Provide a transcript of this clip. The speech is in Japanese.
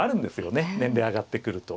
年齢上がってくると。